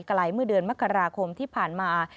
เมื่อเดือนมกราคมที่ผ่านมา